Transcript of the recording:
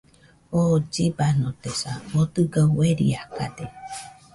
oo llibanotesa, oo dɨga ueriakade